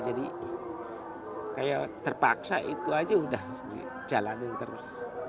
jadi kayak terpaksa itu saja sudah di jalanin terus